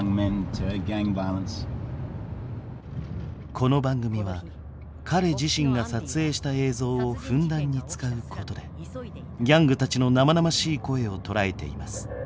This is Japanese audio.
この番組は彼自身が撮影した映像をふんだんに使うことでギャングたちの生々しい声を捉えています。